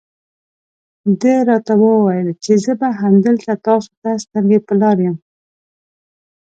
ده راته وویل چې زه به همدلته تاسو ته سترګې په لار یم.